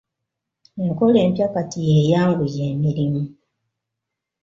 Enkola empya kati y'eyanguya emirimu.